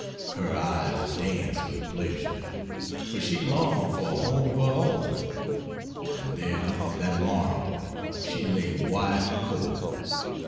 Her eyes danced with pleasure, for she longed for a home of her own. And there, on that morrow, she lay white and cold.